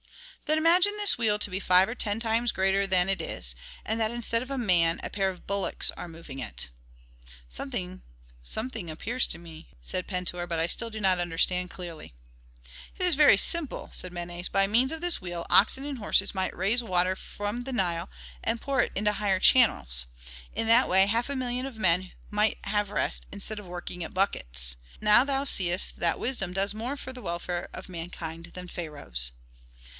"Then imagine this wheel to be five or ten times greater than it is, and that instead of a man a pair of bullocks are moving it." "Something something appears to me," said Pentuer, "but still I do not understand clearly." "It is very simple," said Menes. "By means of this wheel oxen and horses might raise water from the Nile and pour it into higher channels. In that way half a million of men might have rest instead of working at buckets. Now thou seest that wisdom does more for the welfare of mankind than pharaohs."